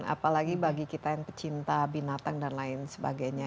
apalagi bagi kita yang pecinta binatang dan lain sebagainya